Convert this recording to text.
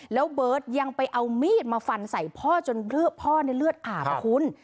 แล้วเบิร์ตยังไปเอามีดมาฟันใส่พ่อจนพ่อในเลือดอาบนะคุณ